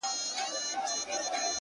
o چاته د يار خبري ډيري ښې دي،a